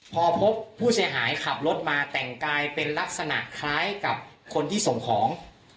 พอพบผู้เสียหายขับรถมาแต่งกายเป็นลักษณะคล้ายกับคนที่ส่งของ